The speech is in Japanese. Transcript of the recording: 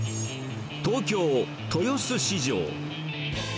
東京・豊洲市場。